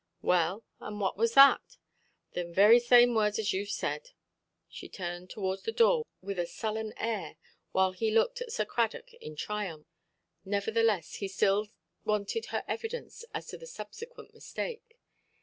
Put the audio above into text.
"Well, and what was that"? "Thim very same words as youʼve said". She turned towards the door with a sullen air, while he looked at Sir Cradock in triumph. Nevertheless, he still wanted her evidence as to the subsequent mistake.